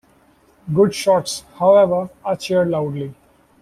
Good shots, however, are cheered loudly.